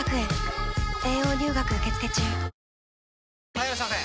・はいいらっしゃいませ！